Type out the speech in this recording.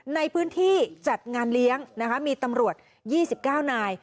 ในพื้นที่จัดงานเลี้ยงนะคะมีตำรวจ๒๙นาย